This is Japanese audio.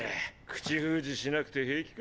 口封じしなくて平気か？